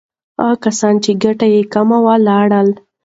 هغه کسان چې ګټه یې کمه وه، لاړل.